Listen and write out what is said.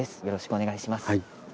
よろしくお願いします。